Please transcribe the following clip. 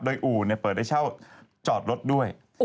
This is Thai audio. โดยอู่เนี่ยเปิดได้เช่าจอดรถด้วยโอ๊ย